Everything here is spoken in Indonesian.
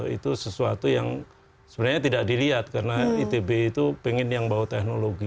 itu sesuatu yang sebenarnya tidak dilihat karena itb itu pengen yang bawa teknologi